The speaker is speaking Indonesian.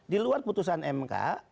di luar putusan mk